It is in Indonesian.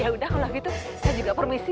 ya udah kalau gitu saya juga permisi